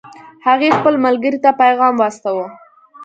هغې خپل ملګرې ته پیغام واستاوه